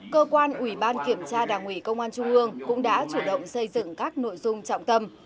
cơ quan ủy ban kiểm tra đảng ủy công an trung ương cũng đã chủ động xây dựng các nội dung trọng tâm